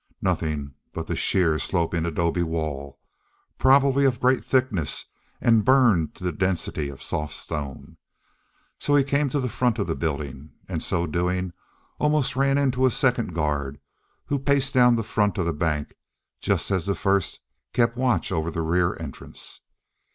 Nothing but the sheer, sloping adobe wall, probably of great thickness, and burned to the density of soft stone. So he came to the front of the building, and so doing, almost ran into a second guard, who paced down the front of the bank just as the first kept watch over the rear entrance.